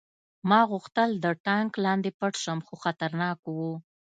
ما غوښتل د ټانک لاندې پټ شم خو خطرناک و